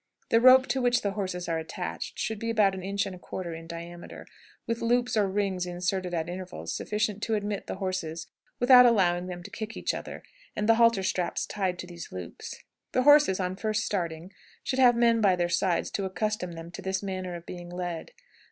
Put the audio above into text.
The rope to which the horses are attached should be about an inch and a quarter in diameter, with loops or rings inserted at intervals sufficient to admit the horses without allowing them to kick each other, and the halter straps tied to these loops. The horses, on first starting, should have men by their sides, to accustom them to this manner of being led.